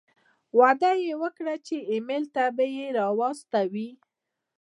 وعده یې وکړه چې ایمېل ته به یې را واستوي.